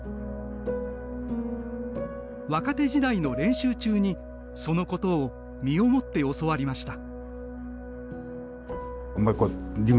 若手時代の練習中にそのことを身をもって教わりました。